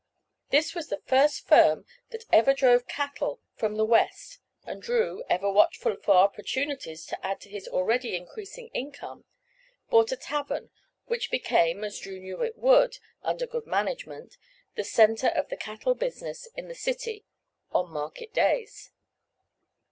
This was the first firm that ever drove cattle from the West, and Drew, ever watchful for opportunities to add to his already increasing income, bought a tavern which became, as Drew knew it would under good management, the centre of the cattle business in the city on market days.